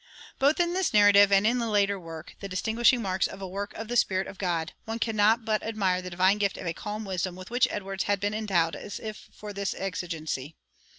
Both in this narrative and in a later work on "The Distinguishing Marks of a Work of the Spirit of God," one cannot but admire the divine gift of a calm wisdom with which Edwards had been endowed as if for this exigency.